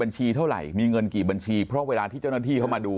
เท่าไหร่มีเงินกี่บัญชีเพราะเวลาที่เจ้าหน้าที่เข้ามาดู